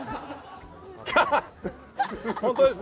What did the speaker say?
本当ですね。